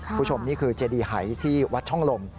คุณผู้ชมนี่คือเจดีหายที่วัดช่องลม